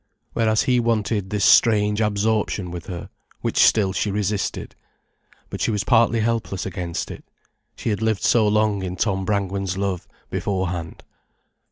Whereas he wanted this strange absorption with her, which still she resisted. But she was partly helpless against it. She had lived so long in Tom Brangwen's love, beforehand.